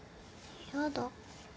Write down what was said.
やだ。